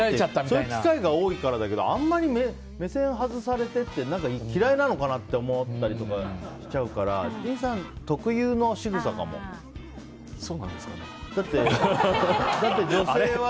そういう機会が多いからだけどあまりに目線外されると嫌いなのかなって思ったりとかしちゃうからそうなんですかね？